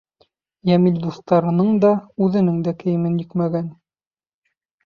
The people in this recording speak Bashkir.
Йәмил дуҫтарының да, үҙенең дә кейемен йөкмәгән.